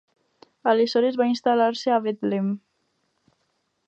Aleshores van instal·lar-se a Betlem.